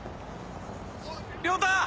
・亮太！